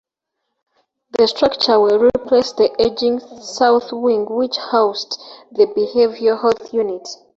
This structure will replace the aging south wing which housed the Behavioural Health unit.